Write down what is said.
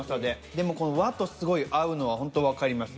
でもこの和とすごい合うのはホント分かります。